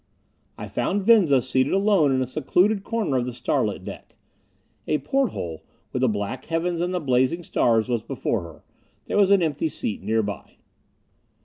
I found Venza seated alone in a secluded corner of the starlit deck. A porthole, with the black heavens and the blazing stars, was before her. There was an empty seat nearby.